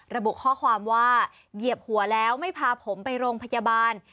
ระบุข้อความว่าเหยียบหัวแล้วไม่พาผมไปโรงพยาบาล